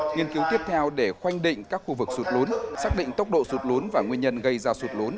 nghiên cứu tiếp theo để khoanh định các khu vực sụt lún xác định tốc độ sụt lún và nguyên nhân gây ra sụt lún